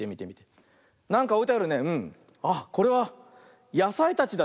あっこれはやさいたちだね。